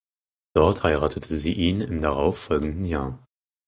Dort heiratete sie ihn im darauf folgendem Jahr.